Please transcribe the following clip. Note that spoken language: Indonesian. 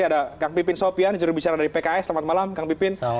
ada kang pipin sopian jurubicara dari pks selamat malam kang pipin